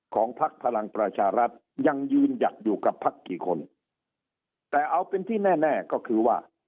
พักพลังประชารัฐยังยืนหยัดอยู่กับพักกี่คนแต่เอาเป็นที่แน่แน่ก็คือว่า